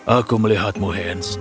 aku melihatmu hans